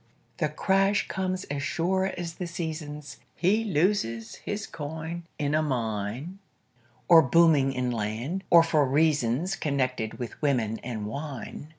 The crash comes as sure as the seasons; He loses his coin in a mine, Or booming in land, or for reasons Connected with women and wine.